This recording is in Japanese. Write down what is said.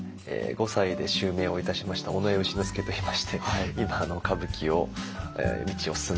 ５歳で襲名をいたしました尾上丑之助といいまして今歌舞伎の道を進んでおります。